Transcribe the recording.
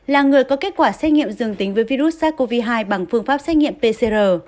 là người có kết quả xét nghiệm dương tính với virus sars cov hai bằng phương pháp xét nghiệm pcr